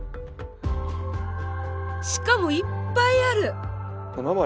しかもいっぱいある！